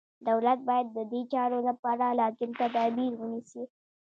دولت باید ددې چارو لپاره لازم تدابیر ونیسي.